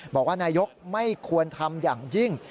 บอกว่านายกไม่ควรทำอย่างยิ่ง